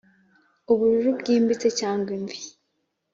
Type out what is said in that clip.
ubururu bwimbitse cyangwa imvi.